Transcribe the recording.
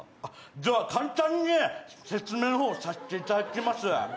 じゃあ簡単に説明の方、させていただきます。